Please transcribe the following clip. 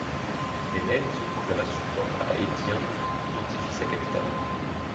Mehmed se proclama Sultan à Edirne, dont il fit sa capitale.